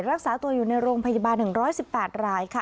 รักษาตัวอยู่ในโรงพยาบาล๑๑๘รายค่ะ